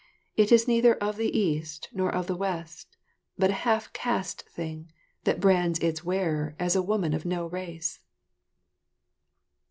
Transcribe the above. It is neither of the East nor of the West, but a half caste thing, that brands its wearer as a woman of no race.